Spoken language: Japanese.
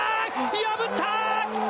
破った！